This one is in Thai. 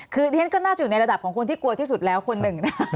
คือดิฉันก็น่าจะอยู่ในระดับของคนที่กลัวที่สุดแล้วคนหนึ่งนะ